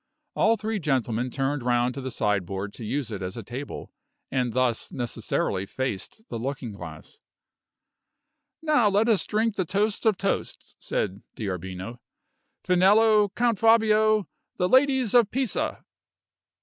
All three gentlemen turned round to the sideboard to use it as a table, and thus necessarily faced the looking glass. "Now let us drink the toast of toasts," said D'Arbino. "Finello, Count Fabio the ladies of Pisa!"